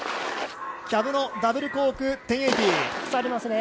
キャブのダブルコーク１０８０。